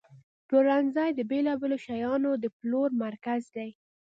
پلورنځی د بیلابیلو شیانو د پلور مرکز دی.